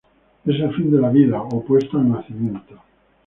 Es el fin de la vida, opuesto al nacimiento.